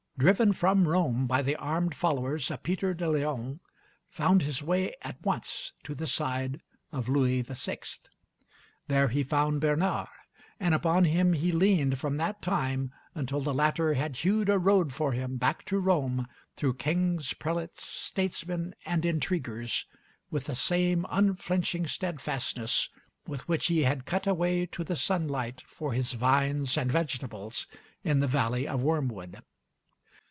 driven from Rome by the armed followers of Peter de Leon, found his way at once to the side of Louis VI. There he found Bernard, and upon him he leaned from that time until the latter had hewed a road for him back to Rome through kings, prelates, statesmen, and intriguers, with the same unflinching steadfastness with which he had cut a way to the sunlight for his vines and vegetables in the Valley of Wormwood.